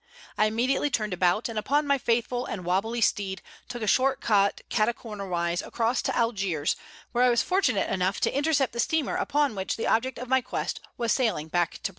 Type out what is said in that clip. I immediately turned about, and upon my faithful and wobbly steed took a short cut catacornerwise across to Algiers, where I was fortunate enough to intercept the steamer upon which the object of my quest was sailing back to Britain.